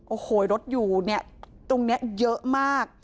โอ้โหรถอยู่เนี่ยตรงนี้เยอะมาก